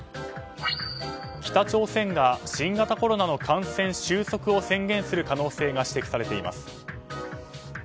北朝鮮が新型コロナの感染終息を宣言する可能性が指摘されています。